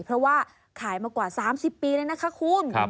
เพราะว่าขายมากว่า๓๐ปีเลยนะคะคุณ